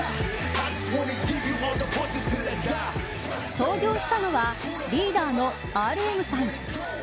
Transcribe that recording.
登場したのはリーダーのＲＭさん。